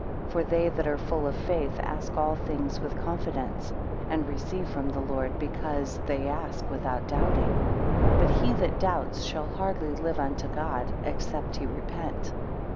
For they that are full of faith, ask all things with confidence, and receive from the Lord, because they ask without doubting. But he that doubts, shall hardly live unto God, except he repent.